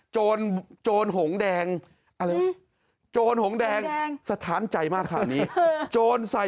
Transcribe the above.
โจรโจรหงแดงอะไรวะโจรหงแดงสะท้านใจมากคราวนี้โจรใส่